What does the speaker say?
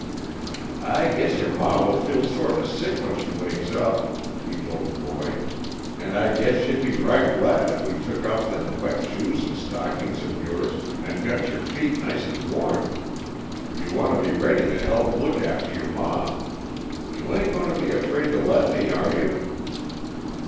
"I guess your ma will feel sort of sick when she wakes up," he told the boy, "and I guess she'd be right glad if we took off them wet shoes and stockings of yours and got your feet nice and warm. You want to be ready to help look after your ma. You ain't going to be afraid to let me, are you?"